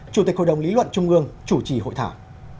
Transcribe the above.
chủ tịch hội đồng lý luận trung ương chủ trì hội thảo